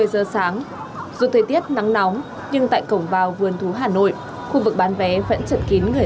một mươi giờ sáng dù thời tiết nắng nóng nhưng tại cổng vào vườn thú hà nội